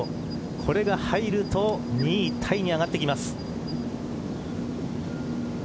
これが入ると２位タイに上がってきます。